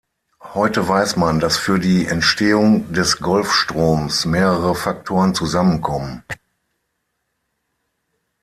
Heute weiß man, dass für die Entstehung des Golfstroms mehrere Faktoren zusammenkommen.